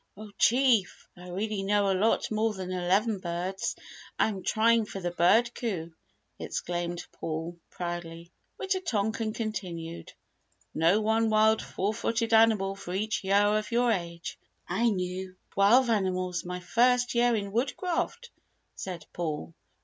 "Oh Chief! I really know a lot more than eleven birds I am trying for the Bird coup," explained Paul, proudly. Wita tonkan continued: "Know one wild four footed animal for each year of your age." "I knew twelve animals my first year in Woodcraft," said Paul.